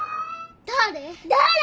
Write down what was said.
誰？